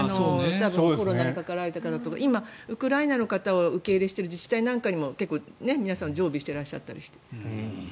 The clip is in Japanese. コロナにかかられた方とか今、ウクライナの方を受け入れしている自治体なんかにも皆さん常備していらっしゃったりして。